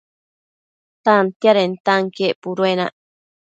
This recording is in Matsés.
Tantiadentanquien puduenac